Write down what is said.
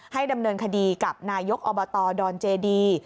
ดำเนินคดีกับนายกอบตดอนเจดี